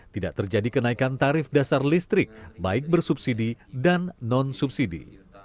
tidak terjadi kenaikan tarif dasar listrik baik bersubsidi dan non subsidi